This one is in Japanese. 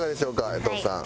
衛藤さん。